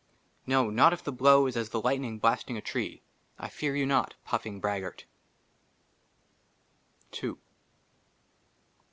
NO, NOT IF THE BLOW IS AS THE LIGHTNING BLASTING A TREE, I FEAR YOU NOT, PUFFING BRAGGART.